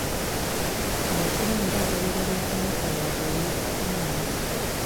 Abasiraamu bagoberera ensomesa yabwe ey'ekisiraamu.